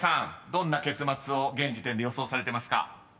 どんな結末を現時点で予想されてますか？］